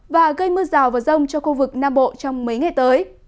và gây mưa rào và rông cho khu vực nam bộ trong mấy ngày tới